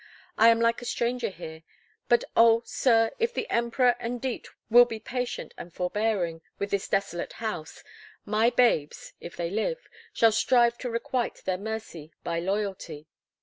I am like a stranger here; but, oh! sir, if the Emperor and Diet will be patient and forbearing with this desolate house, my babes, if they live, shall strive to requite their mercy by loyalty.